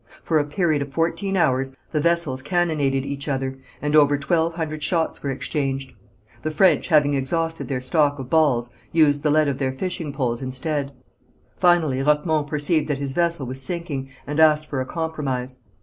For a period of fourteen hours the vessels cannonaded each other, and over twelve hundred shots were exchanged. The French having exhausted their stock of balls used the lead of their fishing poles instead. Finally Roquemont perceived that his vessel was sinking, and asked for a compromise.